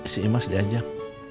si imas diajak